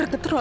aku untuk mu